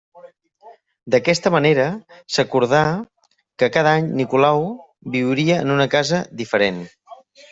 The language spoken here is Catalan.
D'aquesta manera, s'acordà que cada any Nicolau viuria en una casa diferent.